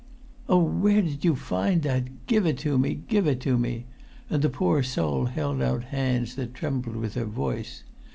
"Oh, where did you find that? Give it to me—give it to me!" and the poor soul held out hands that trembled with her voice.